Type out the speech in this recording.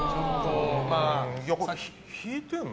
引いてるの？